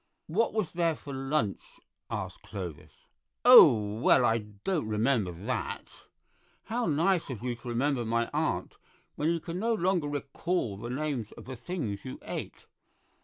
"What was there for lunch?" asked Clovis. "Oh, well, I don't remember that—" "How nice of you to remember my aunt when you can no longer recall the names of the things you ate.